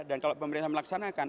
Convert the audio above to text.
dan kalau pemerintah melaksanakan